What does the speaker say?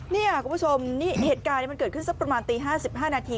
นี่คุณผู้ชมนี่เหตุการณ์มันเกิดขึ้นสักประมาณตี๕๕นาที